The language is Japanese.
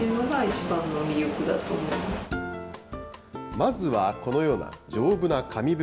まずは、このような丈夫な紙袋。